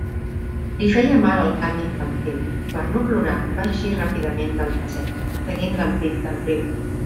Li feia mal el cant infantil, i per no plorar va eixir ràpidament del passeig, seguint l'ampit del riu.